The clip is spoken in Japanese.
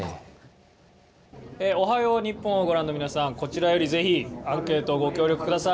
おはよう日本をご覧の皆さん、こちらよりぜひ、アンケートご協力ください。